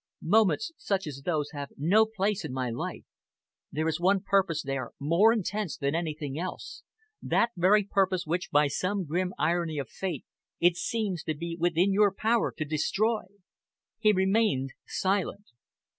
Moments such as those have no place in my life. There is one purpose there more intense than anything else, that very purpose which by some grim irony of fate it seems to be within your power to destroy." He remained silent.